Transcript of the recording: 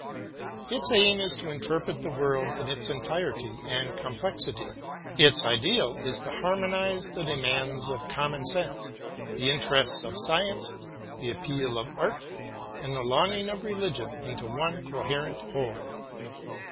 Its aim is to interpret the world in its entirety and complexity, its ideal is to harmonize the demands of common sense, the interests of science, the appeal of art, and the longing of religion into one coherent whole.